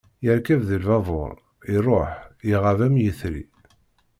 Yerkeb di lbabur, iruḥ, iɣab am yetri.